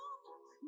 người thân thề